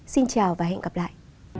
xin chào và hẹn gặp lại